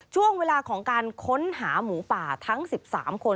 ช่วงเวลาของการค้นหาหมูป่าทั้ง๑๓คน